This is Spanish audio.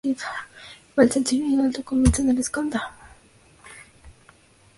Ve el castillo en lo alto y comienzan la escalada...